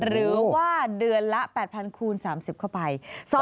หรือว่าเดือนละ๘๐๐คูณ๓๐เข้าไป